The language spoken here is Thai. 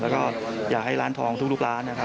และอยากให้ร้านทองทุกร้าน